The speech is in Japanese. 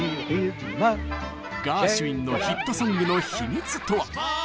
ガーシュウィンのヒットソングの秘密とは？